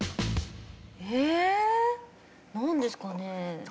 ええなんですかね？